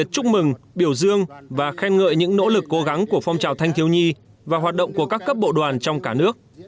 chúc mừng biểu dương và khen ngợi những nỗ lực cố gắng của phong trào thanh thiếu nhi và hoạt động của các cấp bộ đoàn trong cả nước